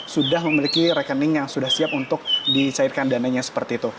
sudah memiliki rekening yang sudah siap untuk dicairkan dananya seperti itu